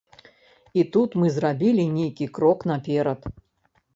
І тут мы зрабілі нейкі крок наперад.